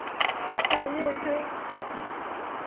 小乐队。